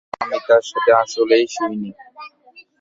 আমি তার সাথে আসলেই শুইনি।